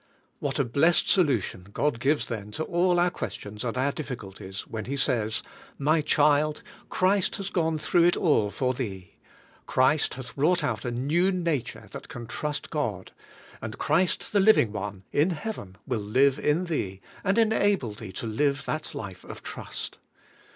What a blessed solution God gives then to all our questions and our diffi culties, when He says: "M37 child, Christ has gone through it all for thee. Christ hath wrought out a new nature that can trust God ; and Christ the Living One in heaven will live in thee, and enable thee to live that life of trust."